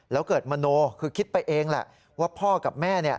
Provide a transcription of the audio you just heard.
แล้วเกิดมโนคือคิดไปเองแหละว่าพ่อกับแม่